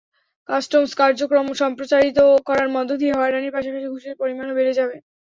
Customs কার্যক্রম সম্প্রসারিত করার মধ্য দিয়ে হয়রানির পাশাপাশি ঘুষের পরিমাণও বেড়ে যাবে।